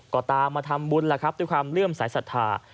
ก็ตามมาทำบุญแล้วครับด้วยความเลื่อมสายศรัทธา